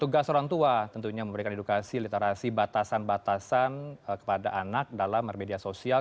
tugas orang tua tentunya memberikan edukasi literasi batasan batasan kepada anak dalam bermedia sosial